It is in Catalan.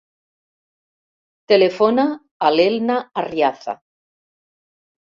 Telefona a l'Elna Arriaza.